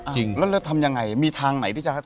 จริง